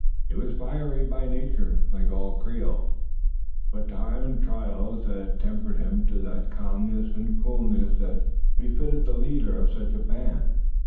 He was fiery by nature, like all Creoles; but time and trials had tempered him to that calmness and coolness that befitted the leader of such a band.